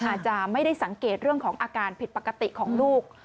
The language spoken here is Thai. อาจจะไม่ได้สังเกตเรื่องของอาการผิดปกติของลูก